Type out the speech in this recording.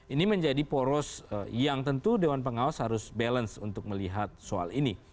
ini menjadi poros yang tentu dewan pengawas harus balance untuk melihat soal ini